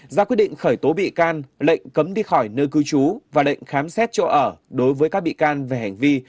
ra quyết định khởi tố bị can lệnh cấm đi khỏi nơi cư trú và lệnh khám xét chỗ ở đối với các bị can về hành vi